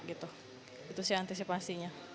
itu sih antisipasinya